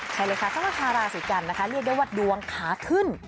ใช่เลยค่ะสำหรับชาวราศีกันนะคะเรียกได้ว่าดวงขาขึ้น